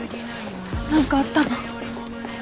何かあったの？